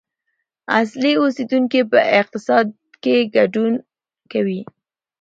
اصلي اوسیدونکي په اقتصاد کې ګډون کوي.